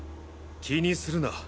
気にするな。